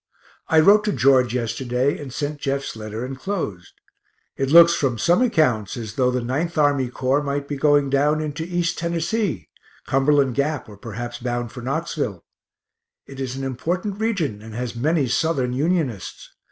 I wrote to George yesterday and sent Jeff's letter enclosed. It looks from some accounts as though the 9th Army Corps might be going down into East Tennessee (Cumberland Gap, or perhaps bound for Knoxville). It is an important region, and has many Southern Unionists.